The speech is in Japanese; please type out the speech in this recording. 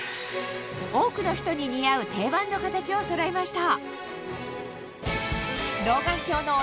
多くの人に似合うをそろえました